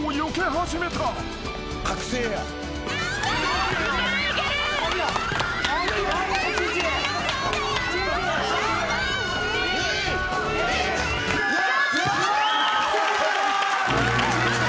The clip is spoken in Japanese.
やった！